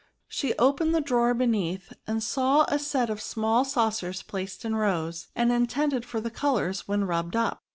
She opened a drawer beneath, and saw a set of small saucers placed in rows, and intended for the colours when rubbed up.